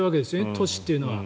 都市っていうのは。